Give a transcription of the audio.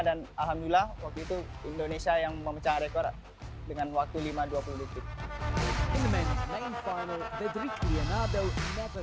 dan alhamdulillah waktu itu indonesia yang memecahkan rekor dengan waktu lima dua puluh detik